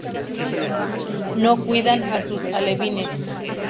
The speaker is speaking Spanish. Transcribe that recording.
No cuidan a sus alevines.